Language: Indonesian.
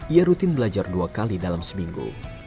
ia rutin belajar dua kali dalam seminggu